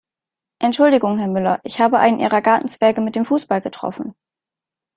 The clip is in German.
Entschuldigung Herr Müller, ich habe einen Ihrer Gartenzwerge mit dem Fußball getroffen.